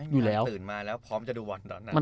ตื่นมาแล้วพร้อมจะดูบอล